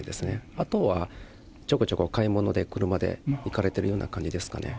あとはちょこちょこ買い物で、車で行かれているような感じですかね。